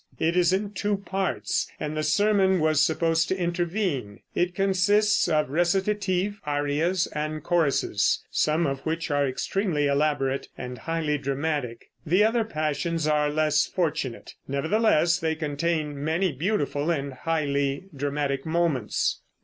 It is in two parts, and the sermon was supposed to intervene. It consists of recitative, arias and choruses, some of which are extremely elaborate and highly dramatic. The other Passions are less fortunate. Nevertheless they contain many beautiful and highly dramatic moments.